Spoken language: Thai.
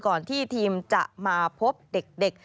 ที่ทีมจะมาพบเด็ก